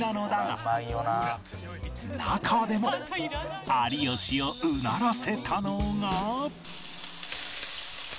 中でも有吉をうならせたのが